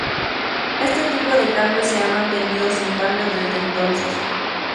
Este tipo de cambio se ha mantenido sin cambios desde entonces.